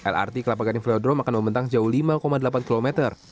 lrt kelapa gading velodrome akan membentang jauh lima delapan km